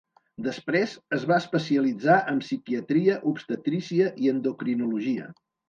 Després es va especialitzar en psiquiatria, obstetrícia i endocrinologia.